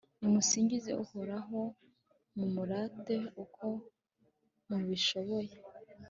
nimusingize uhoraho, mumurate uko mubishoboye